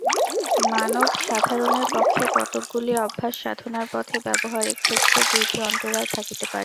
মানব-সাধারণের পক্ষে কতকগুলি অভ্যাস-সাধনার পথে ব্যাবহারিক ক্ষেত্রে দুইটি অন্তরায় থাকিতে পারে।